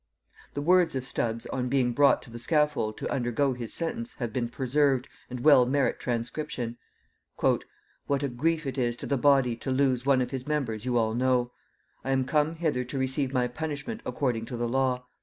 The words of Stubbs on being brought to the scaffold to undergo his sentence have been preserved, and well merit transcription. "What a grief it is to the body to lose one of his members you all know. I am come hither to receive my punishment according to the law.